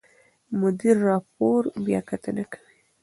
مدیر راپور بیاکتنه کوي.